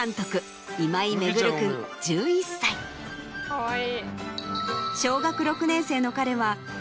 かわいい。